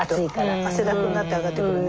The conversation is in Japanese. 汗だくになって上がってくるね。